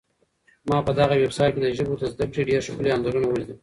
ما په دغه ویبسایټ کي د ژبو د زده کړې ډېر ښکلي انځورونه ولیدل.